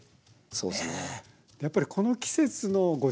そうですね。